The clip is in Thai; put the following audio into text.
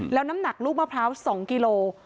แล้วน้ำหนักลูกมะพร้าว๒กิโล